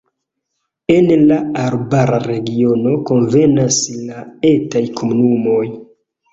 En la arbara regiono konvenas la etaj komunumoj.